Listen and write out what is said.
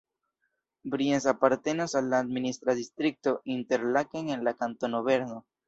Brienz apartenas al la administra distrikto Interlaken en la kantono Berno.